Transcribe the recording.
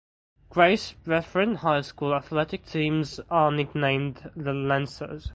Grace Brethren High School athletic teams are nicknamed the Lancers.